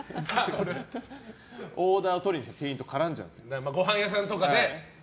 オーダーを取りに来た店員と絡んじゃうんです。